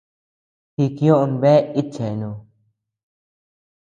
Jikioʼö bea itcheanu.